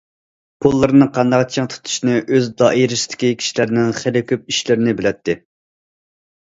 پۇللىرىنى قانداق چىڭ تۇتۇشنى ئۆز دائىرىسىدىكى كىشىلەرنىڭ خېلى كۆپ ئىشلىرىنى بىلەتتى.